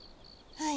はい！